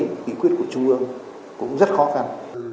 nghị quyết của trung ương cũng rất khó khăn